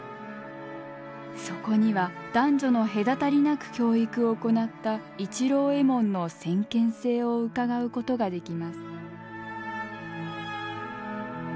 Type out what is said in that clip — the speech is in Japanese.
そこには男女の隔たりなく教育を行った市郎右衛門の先見性をうかがうことができます。